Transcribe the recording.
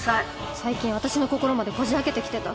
最近私の心までこじ開けてきてた。